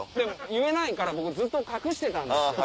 言えないから僕ずっと隠してたんですよ。